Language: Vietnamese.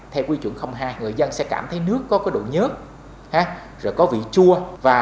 theo quy chuẩn hai người dân sẽ cảm thấy nước có độ nhớt có vị chua